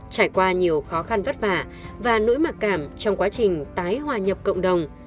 trải qua nhiều khó khăn vất vả và nỗi mặc cảm trong quá trình tái hòa nhập cộng đồng